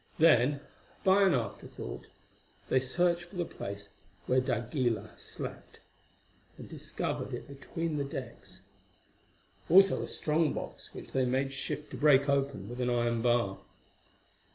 Then, by an afterthought, they searched for the place where d'Aguilar slept, and discovered it between decks; also a strong box which they made shift to break open with an iron bar.